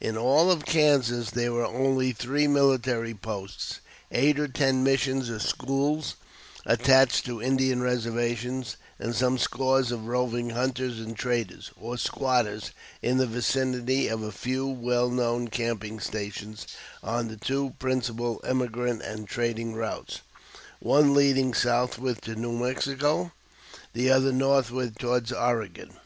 In all of Kansas there were only three military posts, eight or ten missions or schools attached to Indian reservations, and some scores of roving hunters and traders or squatters in the vicinity of a few well known camping stations on the two principal emigrant and trading routes, one leading southward to New Mexico, the other northward towards Oregon.